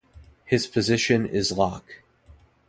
His position is Lock.